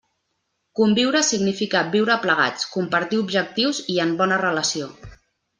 Conviure significa viure plegats, compartir objectius i en bona relació.